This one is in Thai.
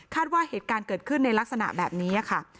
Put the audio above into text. ว่าเหตุการณ์เกิดขึ้นในลักษณะแบบนี้ค่ะ